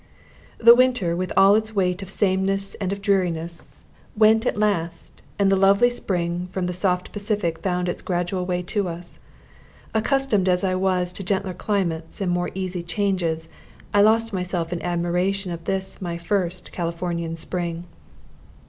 The winter, with all its weight of sameness and of dreariness, went at last, and the lovely spring from the soft Pacific found its gradual way to us. Accustomed as I was to gentler climates and more easy changes, I lost myself in admiration of this my first Californian spring.